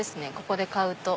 ここで買うと。